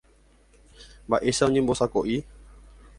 Mba'éicha oñembosako'i.